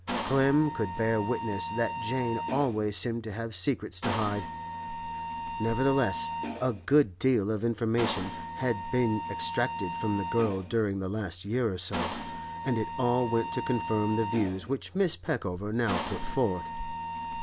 Clem could bear witness that Jane always seemed to have secrets to hide; nevertheless a good deal of information had been extracted from the girl during the last year or so, and it all went to confirm the views which Mrs. Peckover now put forth.